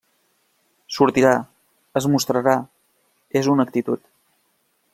Sortirà; es mostrarà; és una actitud.